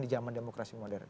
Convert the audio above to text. di jaman demokrasi modern